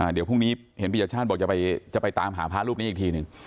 เดี๋ยวพรุ่งนี้เห็นปียชาติบอกจะไปตามหาพระรูปนี้อีกทีหนึ่ง